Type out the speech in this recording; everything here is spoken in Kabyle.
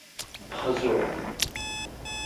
Xzu.